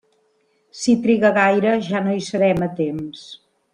Si triga gaire ja no hi serem a temps.